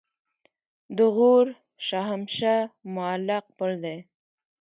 د غور شاهمشه معلق پل دی